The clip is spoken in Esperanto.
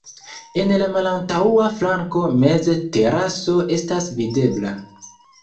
En la malantaŭa flanko meze teraso estas videbla.